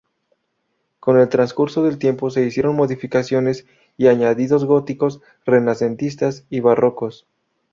Con el transcurso del tiempo se hicieron modificaciones y añadidos góticos, renacentistas y barrocos.